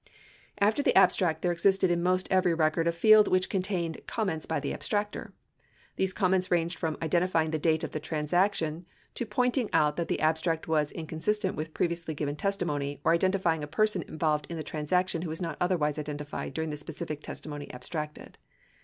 After the abstract, there existed in most every record a field which contained "comments by the abstractor." These comments ranged from identifying the date of the transaction to pointing out that the abstract was inconsistent with previously given testimony or identifying a person involved in the transaction who was not otherwise identified during the specific testimony abstracted.